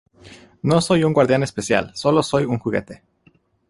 No soy un guardián espacial. Sólo soy un juguete.